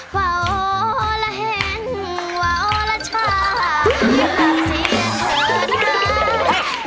วะโอละเห็นวะโอละช่าย